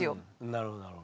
なるほどなるほど。